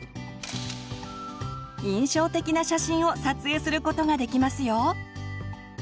印象的な写真を撮影することができますよ！